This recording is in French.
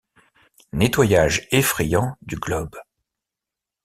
Nettoyage effrayant du globe.